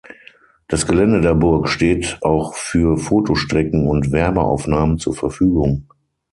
Das Gelände der Burg steht auch für Fotostrecken und Werbeaufnahmen zur Verfügung.